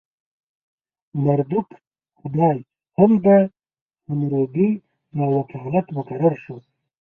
مردوک خدای هم د حموربي په وکالت مقرر شو.